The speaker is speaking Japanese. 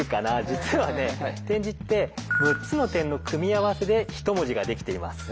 実はね点字って６つの点の組み合わせで一文字ができています。